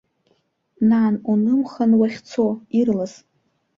Нан, унымхан уахьцо, ирлас.